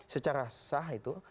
secara sah itu